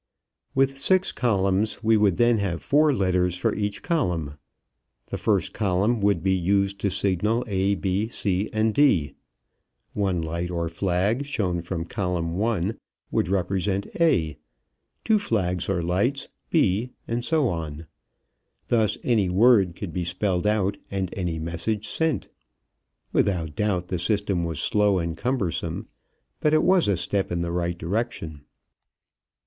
With six columns we would then have four letters for each column. The first column would be used to signal A, B, C, and D. One light or flag shown from column one would represent A, two flags or lights B, and so on. Thus any word could be spelled out and any message sent. Without doubt the system was slow and cumbersome, but it was a step in the right direction.